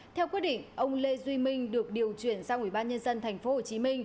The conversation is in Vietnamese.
theo quyết định ông lê duy minh được điều chuyển sang ủy ban nhân dân tp hcm